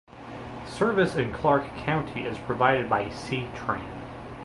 Service in Clark County is provided by C-Tran.